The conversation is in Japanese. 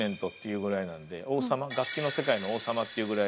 楽器の世界の王様って言うぐらい。